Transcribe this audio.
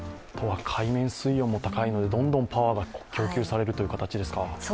海面水温も高いので、どんどんパワーが供給される形ですか。